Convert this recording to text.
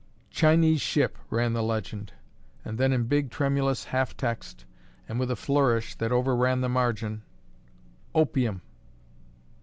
"Chinese ship," ran the legend; and then, in big, tremulous half text, and with a flourish that overran the margin, "Opium!"